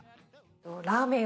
ラーメン！